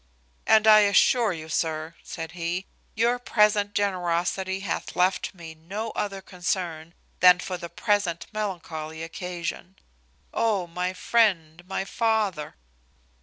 "And I assure you, sir," said he, "your present generosity hath left me no other concern than for the present melancholy occasion. Oh, my friend, my father!"